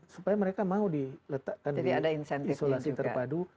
supaya mereka mau diletakkan di isolasi terpadu